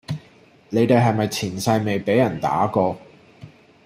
你地係咪前世未比人打過?